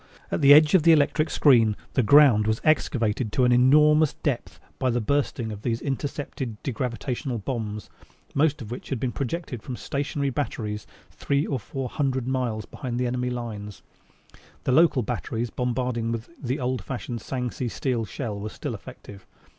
At the edge of the electric screen the ground was excavated to an enormous depth by the bursting of these intercepted degravitated bombs, most of which had been projected from stationary batteries three or four hundred miles behind the enemy lines. The local batteries bombarding with the old fashioned Sangsi steel shell were still effective.